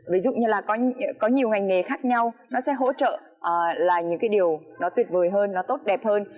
ví dụ như là có nhiều ngành nghề khác nhau nó sẽ hỗ trợ là những cái điều nó tuyệt vời hơn nó tốt đẹp hơn